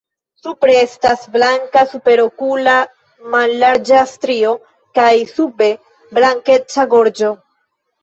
Supre estas blanka superokula mallarĝa strio kaj sube blankeca gorĝo.